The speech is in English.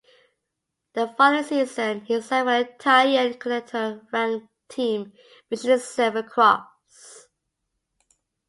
The following season, he signed for the Italian Continental ranked team, Miche Silver Cross.